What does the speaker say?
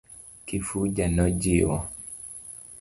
Kifuja nojiwo.